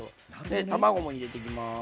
で卵も入れていきます。